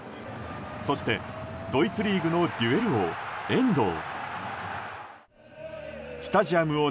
そしてドイツリーグのデュエル王遠藤。